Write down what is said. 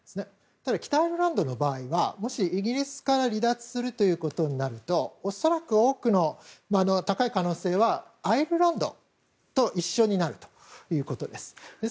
ただ、北アイルランドの場合もしイギリスから離脱するということになると恐らく多くの高い可能性はアイルランドと一緒になるということです。